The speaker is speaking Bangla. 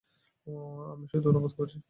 আমি শুধু অনুবাদ করছি।